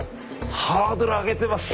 ハードル上げてます。